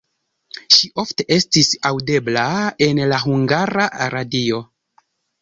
Ŝi ofte estis aŭdebla en la Hungara Radio.